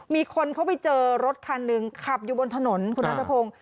มีคนเขาไปเจอรถคันหนึ่งขับอยู่บนถนนคุณนัทพงศ์